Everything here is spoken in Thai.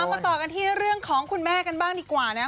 มาต่อกันที่เรื่องของคุณแม่กันบ้างดีกว่านะ